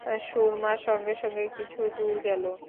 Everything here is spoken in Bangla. সুরমা সঙ্গে সঙ্গে কিছু দূর গেল।